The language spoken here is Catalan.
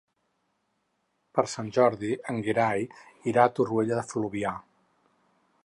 Per Sant Jordi en Gerai irà a Torroella de Fluvià.